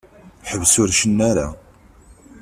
Ḥbes ur cennu ara.